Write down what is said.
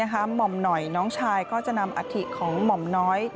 หม่อมหน่อยน้องชายก็จะนำอัฐิของหม่อมน้อย